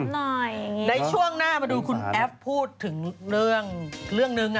ในช่วงหน้ามาดูคุณแอฟพูดถึงเรื่องนึง